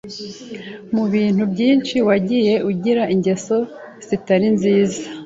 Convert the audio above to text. Mu bintu byinshi wagiye ugira ingeso zitari nziza.